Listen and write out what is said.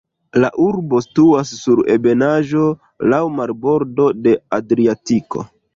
La urbo situas sur ebenaĵo, laŭ marbordo de Adriatiko.